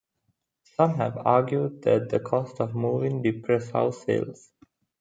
Some have argued that the costs of moving depress house sales.